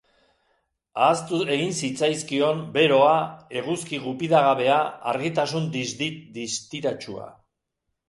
Ahaztu egin zitzaizkion beroa, eguzki gupidagabea, argitasun distiratsua.